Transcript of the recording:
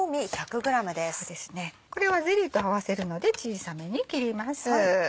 これはゼリーと合わせるので小さめに切ります。